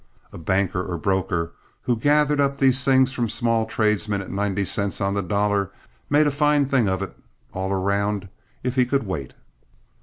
A banker or broker who gathered up these things from small tradesmen at ninety cents on the dollar made a fine thing of it all around if he could wait.